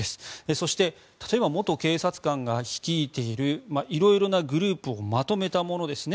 そして例えば元警察官が率いているいろいろなグループをまとめたものですね。